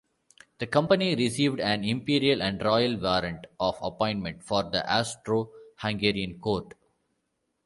The company received an imperial and royal warrant of appointment for the Austro-Hungarian court.